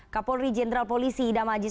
dan setelah itu nanti